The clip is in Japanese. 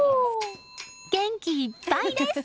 元気いっぱいです！